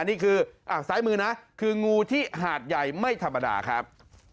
นี่คือซ้ายมือนะคืองูที่หาดใหญ่ไม่ธรรมดาครับ